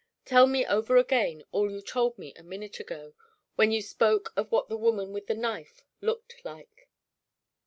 Tell me over again all you told me a minute ago, when you spoke of what the woman with the knife looked like."